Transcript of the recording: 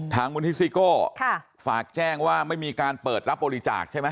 มูลที่ซิโก้ฝากแจ้งว่าไม่มีการเปิดรับบริจาคใช่ไหม